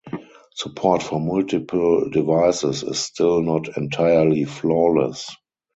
Support for multiple devices is still not entirely flawless.